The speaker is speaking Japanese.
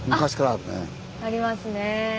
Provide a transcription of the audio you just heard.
ありますね。